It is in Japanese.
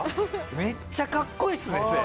めっちゃかっこいいですねそれ！